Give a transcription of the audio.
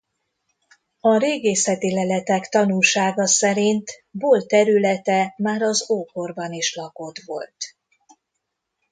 A régészeti leletek tanúsága szerint Bol területe már az ókorban is lakott volt.